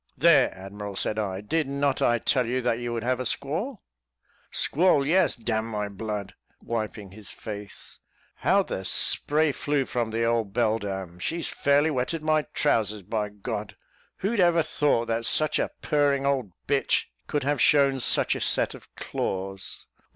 "There, admiral," said I, "did not I tell you that you would have a squall?" "Squall! yes d n my blood," wiping his face; "how the spray flew from the old beldam! She's fairly wetted my trousers, by God. Who'd ever thought that such a purring old b h could have shown such a set of claws!